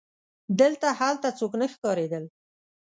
دلته هلته څوک نه ښکارېدل.